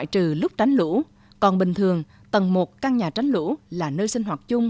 tránh lũ còn bình thường tầng một căn nhà tránh lũ là nơi sinh hoạt chung